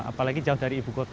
apalagi jauh dari ibu kota